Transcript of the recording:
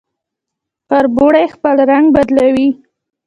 کربوړی خپل رنګ بدلوي